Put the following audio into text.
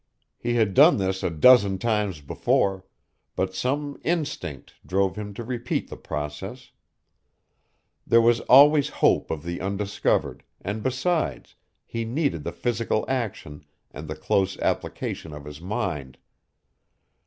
He had done this a dozen times before, but some instinct drove him to repeat the process. There was always hope of the undiscovered, and, besides, he needed the physical action and the close application of his mind.